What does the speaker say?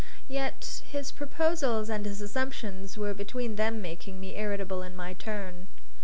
Yet his proposals and his assumptions were between them making me irritable in my turn.